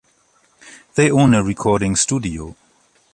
They own a recording studio.